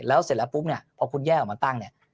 แล้วเสร็จแล้วปุ๊บเนี่ยพอคุณแยกออกมาตั้งเนี่ย